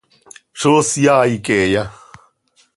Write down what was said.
¿Zó syaai queeya?